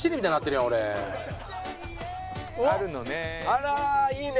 あらいいね。